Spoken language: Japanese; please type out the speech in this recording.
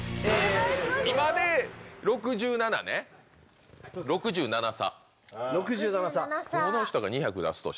今で６７ね、６７差。